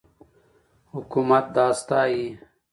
حکومت دا ستایي.